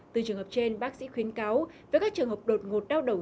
từ trường hợp trên bác sĩ khuyến cáo với các trường hợp đột ngột đau đầu